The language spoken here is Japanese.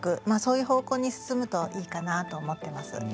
まあそう方向に進むといいかなと思ってます。